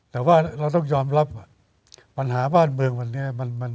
แต่ว่าเราต้องยอมรับว่าปัญหาบ้านเมืองวันนี้